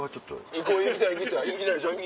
行きたい行きたいでしょ？